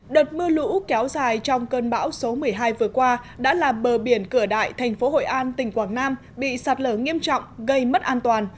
đợt mưa lũ kéo dài trong cơn bão số một mươi hai vừa qua đã làm bờ biển cửa đại thành phố hội an tỉnh quảng nam bị sạt lở nghiêm trọng gây mất an toàn